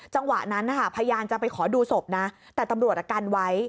จังหวะนั้นนะคะพยายามจะไปขอดูศพนะแต่ตำรวจกันไว้